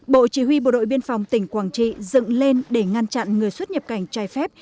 bộ chỉ huy bộ đội biên phòng tỉnh quảng trị dựng lên để ngăn chặn người xuất nhập cảnh trái phép